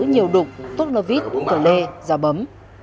nhiều đục tốt lơ vít cờ lê dao bấm